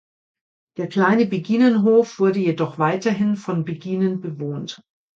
Der kleine Beginenhof wurde jedoch weiterhin von Beginen bewohnt.